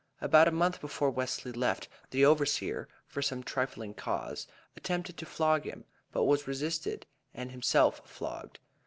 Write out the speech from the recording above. About a month before Wesley left, the overseer, for some trifling cause, attempted to flog him, but was resisted, and himself flogged.